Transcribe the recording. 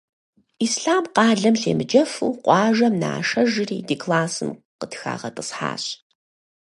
Ислъам къалэм щемыджэфу, къуажэм нашэжри ди классым къытхагъэтӏысхьащ.